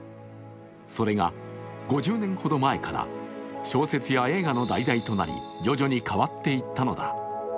それが５０年ほど前から小説や映画の題材となり徐々に変わっていったのだ。